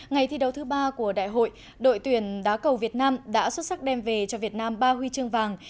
ngày thi đấu thứ ba của đại hội đội tuyển đá cầu việt nam đã xuất sắc đem về cho việt nam ba huy chương vàng